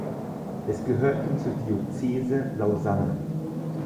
Es gehörte zur Diözese Lausanne.